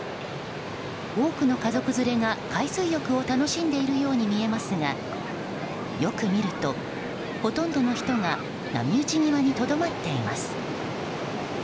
多くの家族連れが海水浴を楽しんでいるように見えますがよく見ると、ほとんどの人が波打ち際にとどまっています。